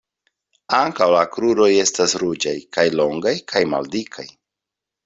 Ankaŭ la kruroj estas ruĝaj kaj longaj kaj maldikaj.